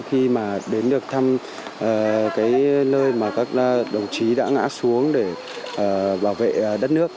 khi mà đến được thăm cái nơi mà các đồng chí đã ngã xuống để bảo vệ đất nước